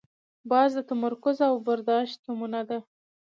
باز د تمرکز او برداشت نمونه ده